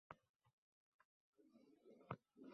U pora olmaydi;